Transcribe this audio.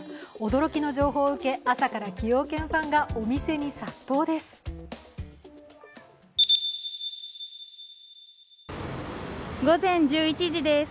驚きの情報を受け、朝から崎陽軒ファンがお店に殺到です。